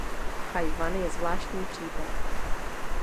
Tchaj-wan je zvláštní případ.